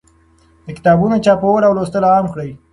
د کتابونو چاپول او لوستل عام کړئ.